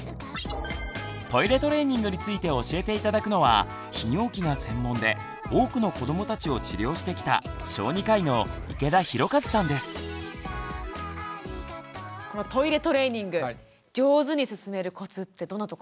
トイレトレーニングについて教えて頂くのは泌尿器が専門で多くの子どもたちを治療してきたこのトイレトレーニング上手に進めるコツってどんなところですか？